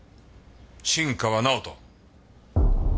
新川尚人。